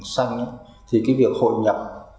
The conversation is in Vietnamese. xanh thì cái việc hội nhập